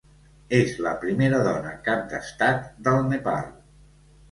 És la primera dona cap d'Estat del Nepal.